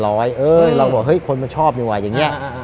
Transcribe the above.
เราบอกว่าคนไม่ชอบไงแบบนี้